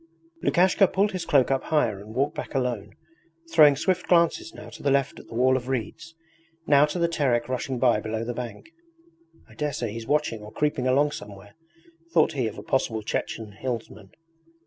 Lukashka pulled his cloak up higher and walked back alone, throwing swift glances now to the left at the wall of reeds, now to the Terek rushing by below the bank. 'I daresay he's watching or creeping along somewhere,' thought he of a possible Chechen hillsman.